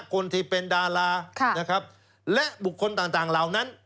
คนที่เป็นดารานะครับและบุคคลต่างเหล่านั้น